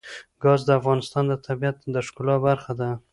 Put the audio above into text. ګاز د افغانستان د طبیعت د ښکلا برخه ده.